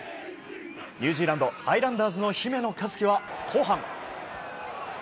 ニュージーランドハイランダーズの姫野和樹は後半。